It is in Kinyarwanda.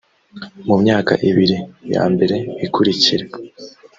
mu myaka ibiri ya mbere ikurikira